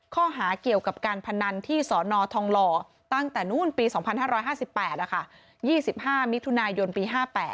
ข้อหาเกี่ยวกับการพนันที่สนทองหล่อตั้งแต่นู้นปี๒๕๕๘๒๕มิถุนายนปี๕๘